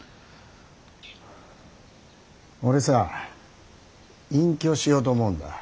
俺さ隠居しようと思うんだ。